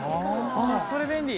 それ便利。